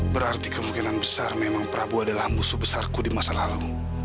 berarti kemungkinan besar memang prabowo adalah musuh besarku di masa lalu